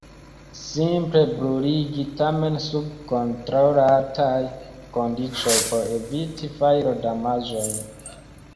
Simple bruligi – tamen sub kontrolataj kondiĉoj por eviti fajrodamaĝojn.